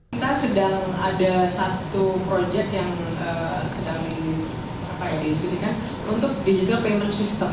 kita sedang ada satu project yang sedang diskusikan untuk digital payment system